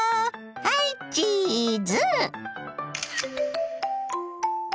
はいチーズ！